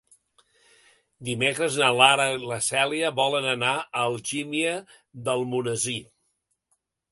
Dimecres na Lara i na Cèlia volen anar a Algímia d'Almonesir.